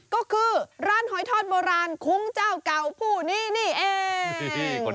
ก็คือร้านหอยทอดโบราณคุ้งเจ้าเก่าผู้นี้นี่เอง